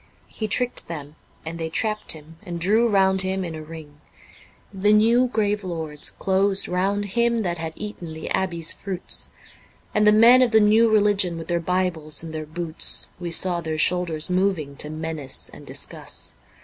He tricked them and they trapped him and drew round him in a ring ; The new grave lords closed round him that had eaten the abbey's fruits, And the men of the new religion with their Bibles in their boots, We saw their shoulders moving to menace and discuss.